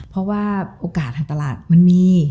เพราะว่าโอกาสทางตลาดมันมี